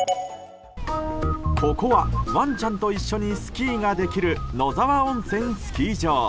ここはワンちゃんと一緒にスキーができる野沢温泉スキー場。